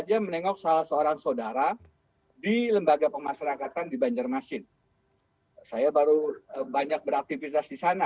yang yang menyekal diri mereka itu